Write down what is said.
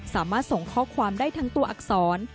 ส่งข้อความได้ทั้งตัวอักษร